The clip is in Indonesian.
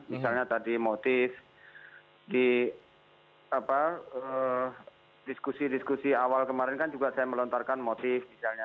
misalnya tadi motif di diskusi diskusi awal kemarin kan juga saya melontarkan motif misalnya